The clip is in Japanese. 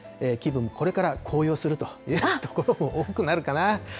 気分、これから高揚するというところも多くなるかな。